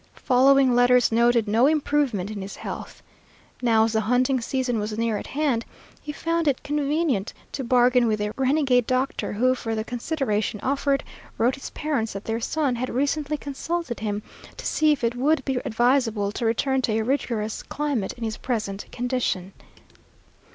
Following letters noted no improvement in his health. Now, as the hunting season was near at hand, he found it convenient to bargain with a renegade doctor, who, for the consideration offered, wrote his parents that their son had recently consulted him to see if it would be advisable to return to a rigorous climate in his present condition.